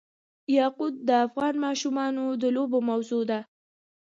یاقوت د افغان ماشومانو د لوبو موضوع ده.